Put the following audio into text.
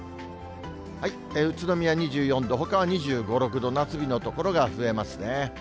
宇都宮２４度、ほかは２５、６度、夏日の所が増えますね。